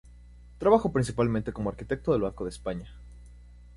Trabajó principalmente como arquitecto del Banco de España.